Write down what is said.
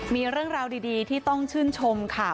มีเรื่องราวดีที่ต้องชื่นชมค่ะ